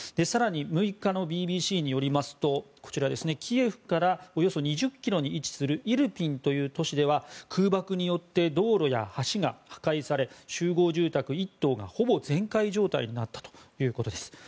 更に、６日のＢＢＣによりますとキエフからおよそ２０ｋｍに位置するイルピンという都市では空爆によって道路や橋が破壊され集合住宅１棟がほぼ全壊状態となったということです。